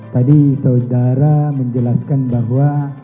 tadi saudara menjelaskan bahwa